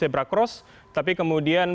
di jakarta cross tapi kemudian